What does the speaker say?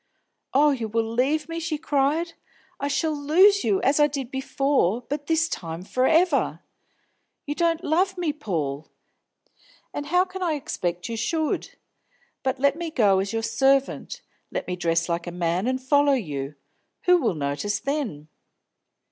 "Oh, you will leave me!" she cried. "I shall lose you, as I did before, but this time for ever! You don't love me, Paul! And how can I expect you should? But let me go as your servant. Let me dress like a man, and follow you. Who will notice then?"